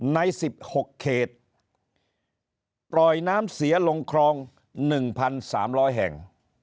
ใน๑๖เขตปล่อยน้ำเสียลงคลอง๑๓๐๐แห่ง